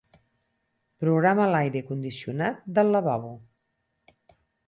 Programa l'aire condicionat del lavabo.